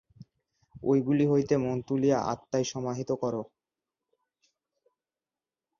ঐগুলি হইতে মন তুলিয়া আত্মায় সমাহিত কর।